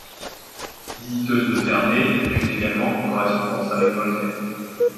Visiteuse de Ferney, elle fut également en correspondance avec Voltaire.